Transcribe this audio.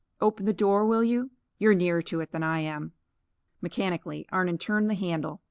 "Open the door, will you? You're nearer to it than I am." Mechanically, Arnon turned the handle.